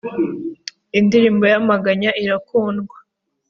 indirimbo y ‘amaganya irakundwa.